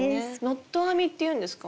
ノット編みっていうんですか？